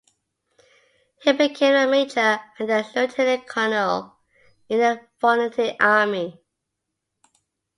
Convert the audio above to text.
He became a major and then a lieutenant colonel in the volunteer army.